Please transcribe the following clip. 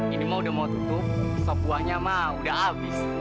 ini mah udah mau tutup sebuahnya mah udah habis